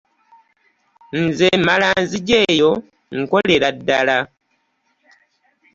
Ne mmala nzija eyo nkolera ddala.